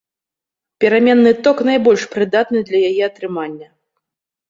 Пераменны ток найбольш прыдатны для яе атрымання.